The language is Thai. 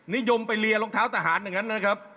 นิยมไปเรียรองเท้าทหารอย่างนั้นนะครับ